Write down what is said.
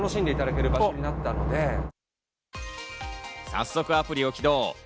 早速アプリを起動。